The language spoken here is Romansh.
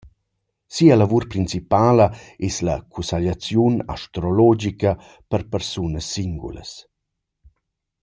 Sia lavur principala es la cussegliaziun astrologica per persunas singulas.